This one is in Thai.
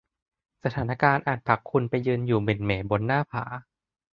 สถานการณ์อาจผลักคุณไปยืนอยู่หมิ่นเหม่บนหน้าผา